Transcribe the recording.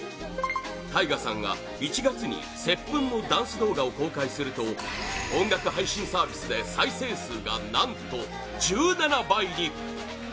タイガさんが１月に「接吻」のダンス動画を公開すると音楽配信サービスで再生数が何と１７倍に！